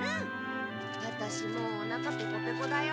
ワタシもうおなかペコペコだよ。